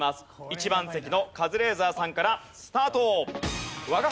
１番席のカズレーザーさんからスタート！